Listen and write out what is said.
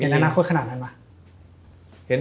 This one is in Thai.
เห็นน่าค่อยขนาดนั้นไหม